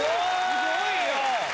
すごいよ。